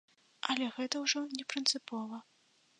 Але гэта ўжо не прынцыпова.